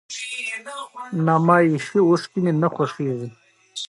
د بوټو لپاره ځمکه اړین ده